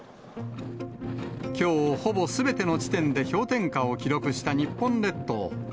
きょう、ほぼすべての地点で氷点下を記録した日本列島。